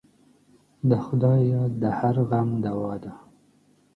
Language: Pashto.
د خدای یاد د هر غم دوا ده.